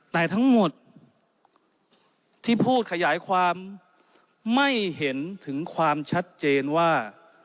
แต่ทั้งหมดที่พูดขยายความไม่เห็นถึงความชัดเจนว่า